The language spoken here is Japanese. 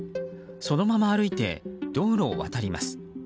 そのまま歩いて道路を渡ります。